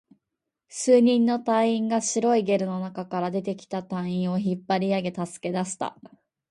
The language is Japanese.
数人の隊員が白いゲルの中から出てきた隊員を引っ張り上げ、助け出した